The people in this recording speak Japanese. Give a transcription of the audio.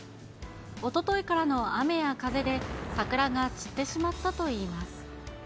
おとといからの雨や風で、桜が散ってしまったといいます。